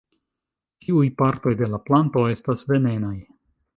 Ĉiuj partoj de la planto estas venenaj.